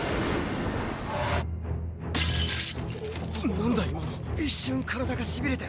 何だ今の⁉一瞬体が痺れて。